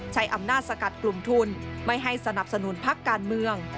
ใช้อำนาจสกัดกลุ่มทุนไม่ให้สนับสนุนพักการเมือง